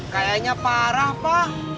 kayaknya parah pak